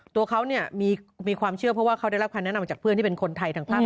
ตัวเขามีความเชื่อเพราะว่าเขาได้รับคำแนะนำจากเพื่อนที่เป็นคนไทยทางภาค